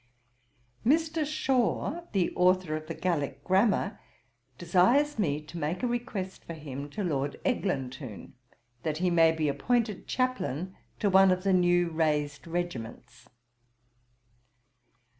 'Mr. Shaw, the author of the Gaelick Grammar, desires me to make a request for him to Lord Eglintoune, that he may be appointed Chaplain to one of the new raised regiments.